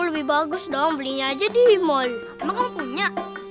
lebih bagus dong belinya jadi malu kamu punya